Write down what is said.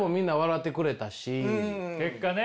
結果ね。